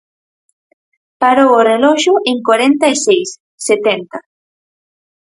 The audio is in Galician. Parou o reloxo en corenta e seis, setenta.